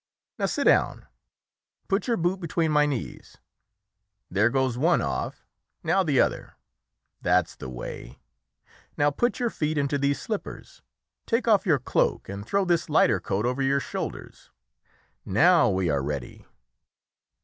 Now sit down, put your boot between my knees; there goes one off, now the other, that's the way; now put your feet into these slippers, take off your cloak and throw this lighter coat over your shoulders. Now we are ready."